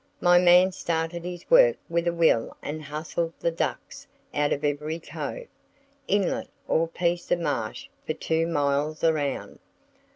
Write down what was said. My man started his work with a will and hustled the ducks out of every cove, inlet or piece of marsh for two miles around.